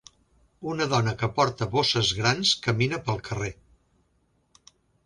Una dona que porta bosses grans camina pel carrer.